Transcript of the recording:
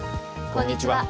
こんにちは。